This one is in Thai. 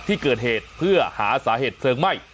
ที่เกิดเหตุเพื่อหาสาเหตุเพลิงไหม้